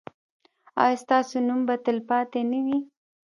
ایا ستاسو نوم به تلپاتې نه وي؟